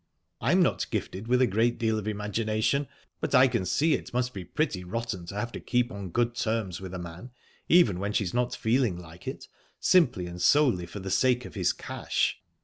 I'm not gifted with a great deal of imagination, but I can see it must be pretty rotten to have to keep on good terms with a man even when she's not feeling like it simply and solely for the sake of his cash."